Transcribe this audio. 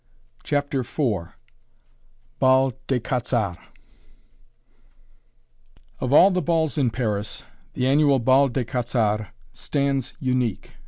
CHAPTER IV BAL DES QUAT'Z' ARTS Of all the balls in Paris, the annual "Bal des Quat'z' Arts" stands unique.